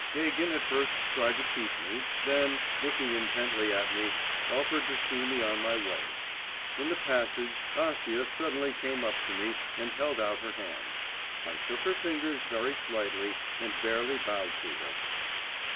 Gagin at first tried to keep me, then, looking intently at me, offered to see me on my way. In the passage, Acia suddenly came up to me and held out her hand; I shook her fingers very slightly, and barely bowed to her.